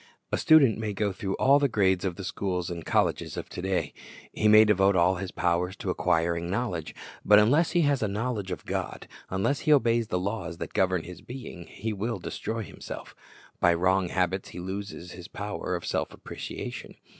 A student may go through all the grades of the schools and colleges of to day. He may devote all his powers to acquiring knowledge. But unless he has a knowledge of God, unless he obeys the laws that govern his being, he will destroy himself By wrong habits he loses his power of self appreciation.